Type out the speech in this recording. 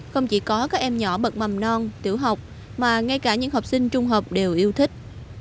không chỉ có các em nhỏ bật mầm non tiểu học mà ngay cả những học sinh trung học đều yêu thích